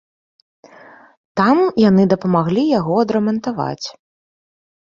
Там яны дапамаглі яго адрамантаваць.